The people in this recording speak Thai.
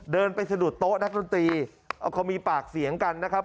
เดินไปสะดุดโต๊ะนักดนตรีเขามีปากเสียงกันนะครับ